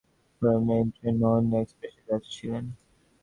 চার যুবকই রহনপুর থেকে খুলনাগামী মেইল ট্রেন মহানন্দা এক্সপ্রেসের যাত্রী ছিলেন।